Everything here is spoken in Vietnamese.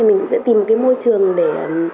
mình sẽ tìm một cái môi trường để